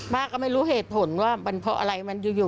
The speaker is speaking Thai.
ป้าก็ไม่รู้เหตุผลว่ามันพออะไร